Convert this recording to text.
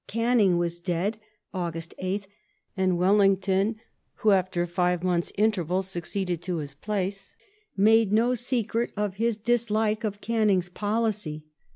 Canning was dead (Aug. 8th), and Wellington, who after five months' interval succeeded to his place, made no secret of his dislike of Canning's policy.